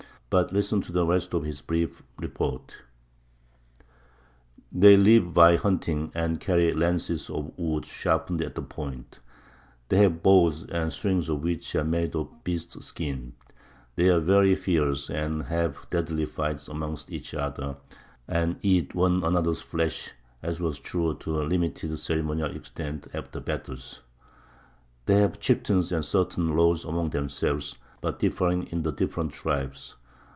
But listen to the rest of his brief report: They live by hunting, and carry lances of wood sharpened at the point. They have bows, the strings of which are made of beasts' skins. They are very fierce, and have deadly fights amongst each other, and eat one another's flesh [as was true, to a limited ceremonial extent, after battles]. They have chieftains and certain laws among themselves, but differing in the different tribes.